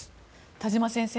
田島先生